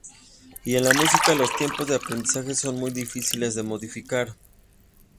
Y en la música, los tiempos de aprendizaje son muy difíciles de modificar.